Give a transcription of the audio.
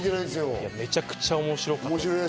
めちゃくちゃ面白い。